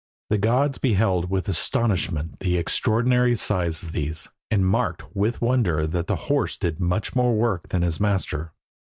The gods beheld with astonishment the extraordinary size of these, and marked with wonder that the horse did much more work than his master.